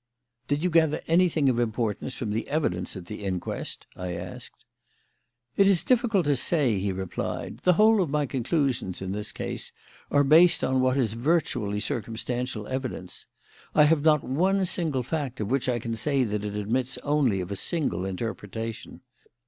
"Did you gather anything of importance from the evidence at the inquest?" I asked. "It is difficult to say," he replied. "The whole of my conclusions in this case are based on what is virtually circumstantial evidence. I have not one single fact of which I can say that it admits only of a single interpretation.